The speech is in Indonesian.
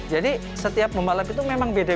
jadi setiap pembalap itu memang beda